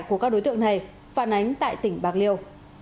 của các đối tượng này phản ánh tại tỉnh bạc liêu